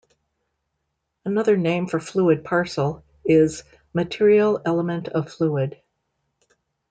Another name for fluid parcel is material element of fluid.